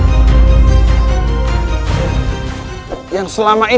dia adalah penguasa yang jauh